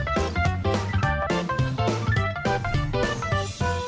โปรดติดตามตอนต่อไป